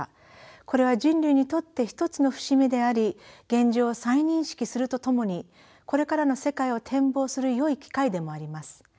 これは人類にとって一つの節目であり現状を再認識するとともにこれからの世界を展望するよい機会でもあります。